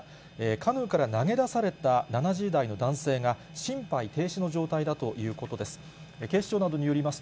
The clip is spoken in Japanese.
カヌーから投げ出された７０代の男性が、心肺停止の状態だということです。